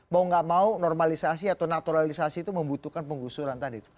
mau nggak mau normalisasi atau naturalisasi itu membutuhkan penggusuran tadi